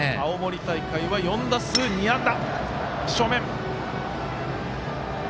青森大会は４打数２安打。